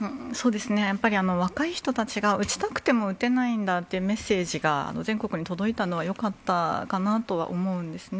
やっぱり若い人たちが打ちたくても打てないんだというメッセージが全国に届いたのはよかったかなとは思うんですね。